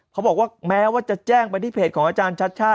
เขาบอกว่าแม้ว่าจะแจ้งไปที่เพจของอาจารย์ชัชชา